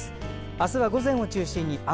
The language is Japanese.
明日は午前を中心に雨。